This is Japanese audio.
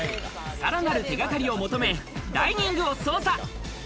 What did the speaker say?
さらなる手がかりを求め、ダイニングを捜査。